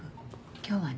今日はね